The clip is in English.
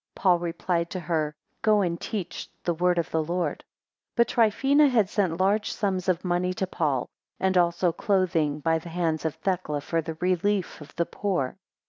Paul replied to her: Go and teach the word of the Lord. 5 But Trifina had sent large sums of money to Paul, and also clothing by the hands of Thecla, for the relief of the poor.